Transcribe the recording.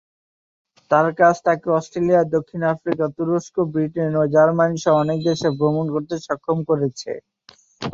তার কাজ তাকে অস্ট্রেলিয়া, দক্ষিণ আফ্রিকা, তুরস্ক, ব্রিটেন এবং জার্মানি সহ অনেক দেশে ভ্রমণ করতে সক্ষম করেছে।